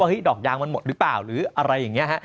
ดอกยางมันหมดหรือเปล่าหรืออะไรอย่างนี้ฮะ